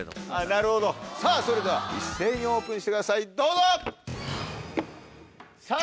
なるほどさぁそれでは一斉にオープンしてくださいどうぞ！